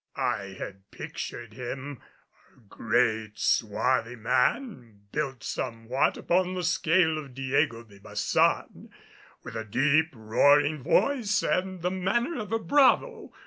I had pictured him a great swarthy man built somewhat upon the scale of Diego de Baçan, with a deep roaring voice and the manner of a bravo.